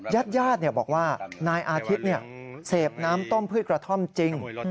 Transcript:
ยาดบอกว่านายอาธิตเสพน้ำต้มพืชกระท่อมจริง